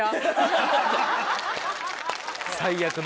最悪の。